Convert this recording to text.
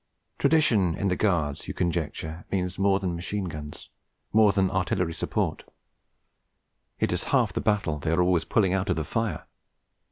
Tradition in the Guards, you conjecture, means more than machine guns, more than artillery support; it is half the battle they are always pulling out of the fire.